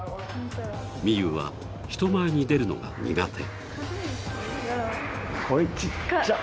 みゆうは人前に出るのが苦手。